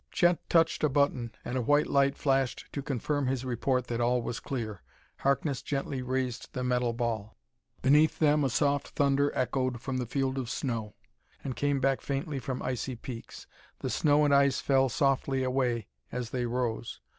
Chet touched a button, and a white light flashed to confirm his report that all was clear. Harkness gently raised the metal ball. Beneath them a soft thunder echoed from the field of snow, and came back faintly from icy peaks. The snow and ice fell softly away as they rose.